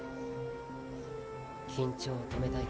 緊張を止めたいか？